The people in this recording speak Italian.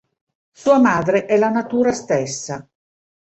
Sua madre è la natura stessa.